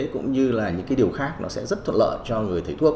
cũng như là những cái điều khác nó sẽ rất thuận lợi cho người thấy thuốc